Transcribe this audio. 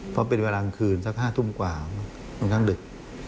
เพราะเป็นเวลากลางคืนสัก๕ทุ่มกว่าบางครั้งดึก